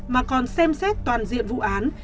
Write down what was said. mà còn xem xét toàn diện vụ án